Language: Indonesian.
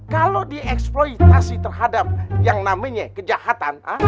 kalau dieksploitasi terhadap yang namanya kejahatan